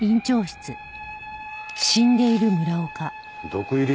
毒入り